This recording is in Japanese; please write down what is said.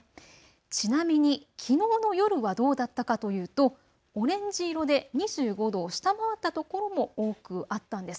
ちなみに、きのうの夜はどうだったかというとオレンジ色で２５度を下回った所も多くあったんです。